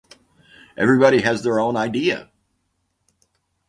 Everybody has their own idea!